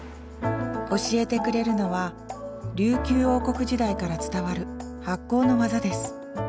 教えてくれるのは琉球王国時代から伝わる発酵の技です。